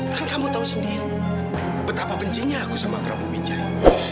kan kamu tahu sendiri betapa bencinya aku sama kerapu pijai